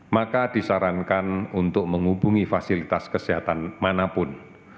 maka disarankan untuk menghubungi fasilitas kesehatan manapun